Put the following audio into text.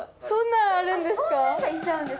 そんなんあるんですか？